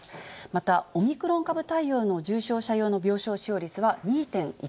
また、オミクロン株対応の重症者用の病床使用率は２．１％。